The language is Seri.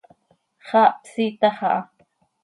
Xaa hpsiitax aha.